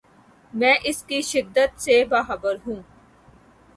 میں اس کی شدت سے باخبر ہوں۔